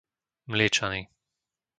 Mliečany